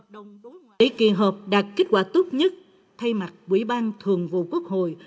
để kỳ họp đạt kết quả tốt nhất thay mặt quỹ ban thường vụ quốc hội